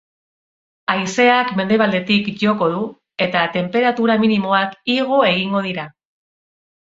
Haizeak mendebaldetik joko du, eta tenperatura minimoak igo egingo dira.